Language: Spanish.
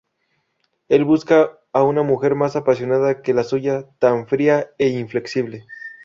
Él busca a una mujer más apasionada que la suya, tan fría e inflexible.